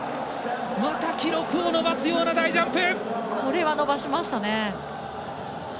また記録を伸ばすような大ジャンプ！